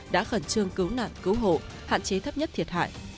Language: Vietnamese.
đã khẩn trương cứu nạn cứu hộ hạn chế thấp nhất thiệt hại